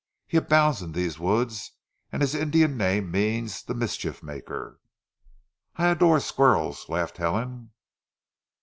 He abounds in these woods and his Indian name means the mischief maker." "I adore squirrels," laughed Helen.